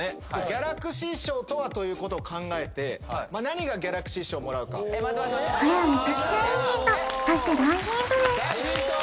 ギャラクシー賞とはということを考えて何がギャラクシー賞をもらうかこれはメチャクチャいいヒントそして大ヒントです